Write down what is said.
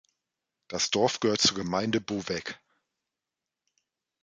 Das Dorf gehört zur Gemeinde Bovec.